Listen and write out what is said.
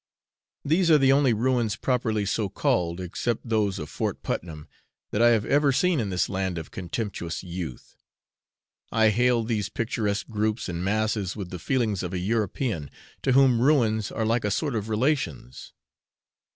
These are the only ruins properly so called, except those of Fort Putnam, that I have ever seen in this land of contemptuous youth. I hailed these picturesque groups and masses with the feelings of a European, to whom ruins are like a sort of relations.